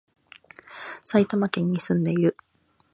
埼玉県に、住んでいる